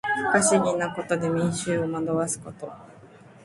不可思議なことで民衆を惑わすこと。